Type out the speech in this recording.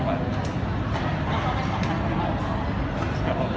มันดีนะครับ